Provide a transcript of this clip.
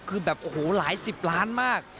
คือแบบโอ้โหหลายสิบล้านมาก